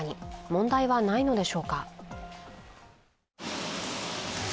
問題はないのでしょうか。